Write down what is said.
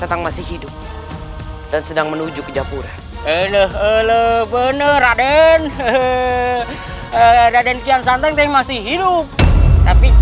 tinggal memulihkan sedikit tenaga ibu nda